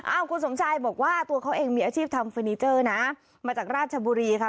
เอาคุณสมชายบอกว่าตัวเขาเองมีอาชีพทำเฟอร์นิเจอร์นะมาจากราชบุรีค่ะ